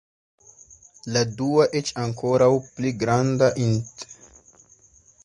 La dua, eĉ ankoraŭ pli granda int.